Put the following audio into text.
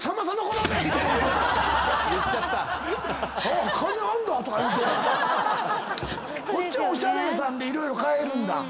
こっちはおしゃれさんで色々替えるんだ。